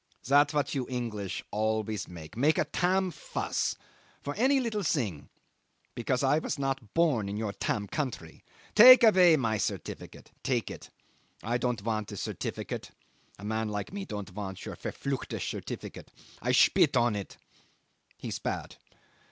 "That's what you English always make make a tam' fuss for any little thing, because I was not born in your tam' country. Take away my certificate. Take it. I don't want the certificate. A man like me don't want your verfluchte certificate. I shpit on it." He spat.